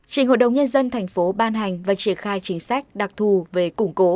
chỉnh hội đồng nhân dân tp hcm bàn hành và triển khai chính sách đặc thù về củng cố